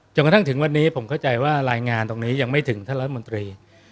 กระทั่งถึงวันนี้ผมเข้าใจว่ารายงานตรงนี้ยังไม่ถึงท่านรัฐมนตรี